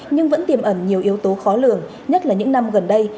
nhưng vẫn tiềm ẩn nhiều yếu tố khó lường nhất là những năm gần đây